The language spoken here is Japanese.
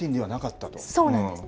そうなんです。